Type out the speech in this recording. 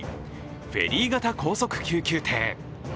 フェリー型高速救急艇。